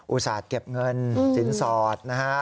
อุตส่าห์เก็บเงินสินสอดนะฮะ